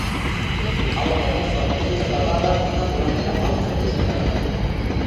A outra moza foi trasladada en ambulancia a un centro hospitalario.